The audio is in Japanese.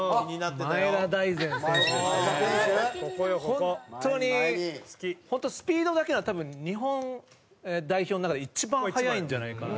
本当に本当にスピードだけなら多分日本代表の中で一番速いんじゃないかなって。